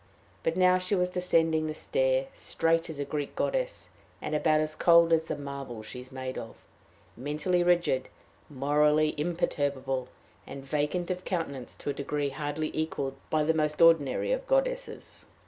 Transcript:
But now she was descending the stair, straight as a Greek goddess, and about as cold as the marble she is made of mentally rigid, morally imperturbable, and vacant of countenance to a degree hardly equaled by the most ordinary of goddesses.